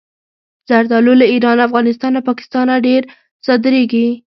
زردالو له ایران، افغانستان او پاکستانه ډېره صادرېږي.